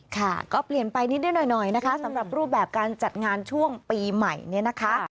ค่ะก็เปลี่ยนไปนิดหน่อยนะคะสำหรับรูปแบบการจัดงานช่วงปีใหม่เนี่ยนะคะ